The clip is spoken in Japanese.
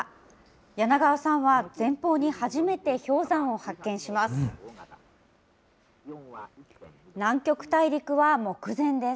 柳川さんは前方に初めて氷山を発見します。